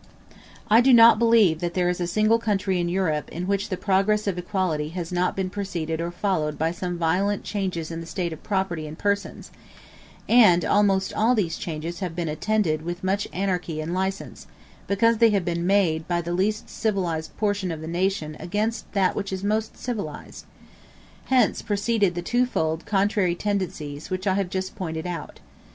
I do not believe that there is a single country in Europe in which the progress of equality has not been preceded or followed by some violent changes in the state of property and persons; and almost all these changes have been attended with much anarchy and license, because they have been made by the least civilized portion of the nation against that which is most civilized. Hence proceeded the two fold contrary tendencies which I have just pointed out.